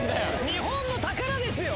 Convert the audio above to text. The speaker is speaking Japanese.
日本の宝ですよ！